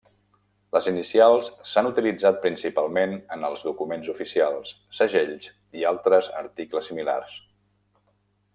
Les inicials s'han utilitzat principalment en els documents oficials, segells i altres articles similars.